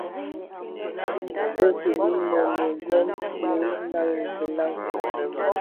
Ke bəlí nənì yǒm mīyï laŋhi beləŋ.